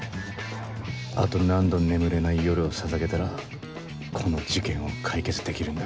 あと何度眠れない夜をささげたらこの事件を解決できるんだ